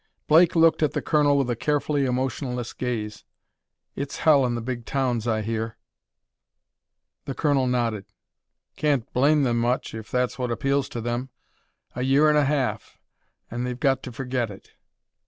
Blake looked at the colonel with a carefully emotionless gaze. "It's hell in the big towns, I hear." The Colonel nodded. "Can't blame them much, if that's what appeals to them. A year and a half! and they've got to forget it.